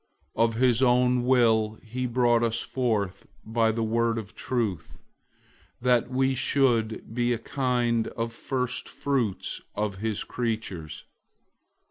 001:018 Of his own will he brought us forth by the word of truth, that we should be a kind of first fruits of his creatures.